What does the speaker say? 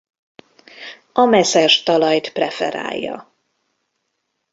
A meszes talajt preferálja.